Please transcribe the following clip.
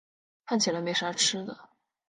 看起来没啥吃的